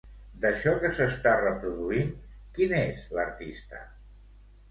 D'això que s'està reproduint, qui n'és l'artista?